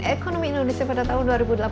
ekonomi indonesia pada tahun dua ribu delapan belas